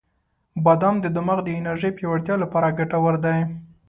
• بادام د دماغ د انرژی پیاوړتیا لپاره ګټور دی.